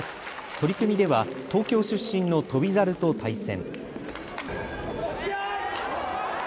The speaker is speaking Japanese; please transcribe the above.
取組では東京出身の翔猿と対戦。